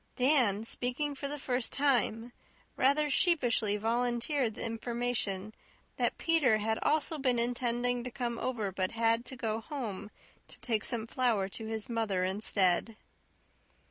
Dan speaking for the first time, rather sheepishly volunteered the information that Peter had also been intending to come over but had to go home to take some flour to his mother instead.